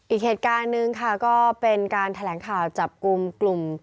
อีกเหตุการณ์หนึ่งค่ะก็เป็นการแถลงข่าวจับกลุ่มกลุ่ม